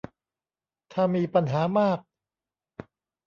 ถ้ามีปัญหามาก